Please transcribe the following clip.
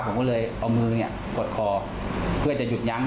ผมก็เลยเอามือเนี่ยกดคอเพื่อจะหยุดยั้ง